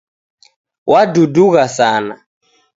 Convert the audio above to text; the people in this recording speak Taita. Wadudugha sana